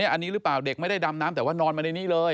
อันนี้หรือเปล่าเด็กไม่ได้ดำน้ำแต่ว่านอนมาในนี้เลย